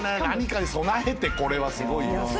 何かに備えてこれはすごいよ。